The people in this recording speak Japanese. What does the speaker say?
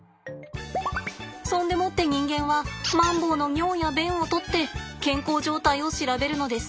そんでもって人間はマンボウの尿や便を採って健康状態を調べるのです。